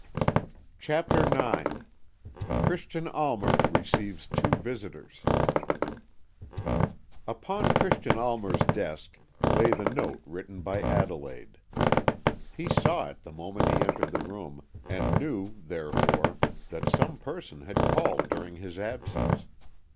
CHAPTER IX CHRISTIAN ALMER RECEIVES TWO VISITORS Upon Christian Almer's desk lay the note written by Adelaide. He saw it the moment he entered the room, and knew, therefore, that some person had called during his absence.